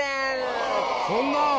そんな。